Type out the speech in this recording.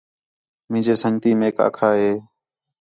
مینجے سنڳتی میک آکھا ہِے